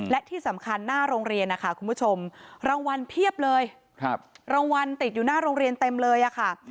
และที่สำคัญหน้าโรงเรียนนะคะคุณผู้ชมรางวัลเพียบเลยรางวัลติดอยู่หน้าโรงเรียนเต็มเลยค่ะ